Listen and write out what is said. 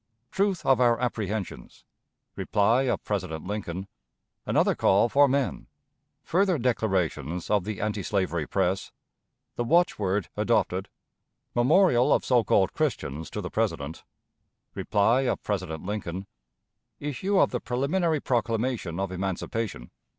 Truth of our Apprehensions. Reply of President Lincoln. Another Call for Men. Further Declarations of the Antislavery Press. The Watchword adopted. Memorial of So called Christians to the President. Reply of President Lincoln. Issue of the Preliminary Proclamation of Emancipation.